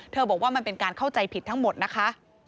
บอกว่ามันเป็นการเข้าใจผิดทั้งหมดนะคะ